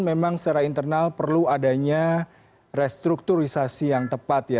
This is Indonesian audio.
memang secara internal perlu adanya restrukturisasi yang tepat ya